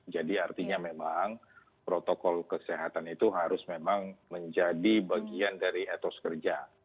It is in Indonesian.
jadi artinya memang protokol kesehatan itu harus memang menjadi bagian dari etos kerja